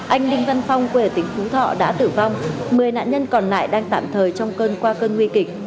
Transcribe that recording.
anh đinh văn phong quê ở tỉnh phú thọ đã tử vong một mươi nạn nhân còn lại đang tạm thời trong cơn qua cơn nguy kịch